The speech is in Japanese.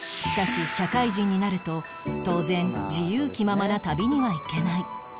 しかし社会人になると当然自由気ままな旅には行けない